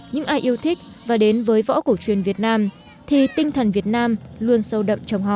những ai yêu thích và đến với võ cổ truyền việt nam thì tinh thần việt nam luôn sâu đậm trong họ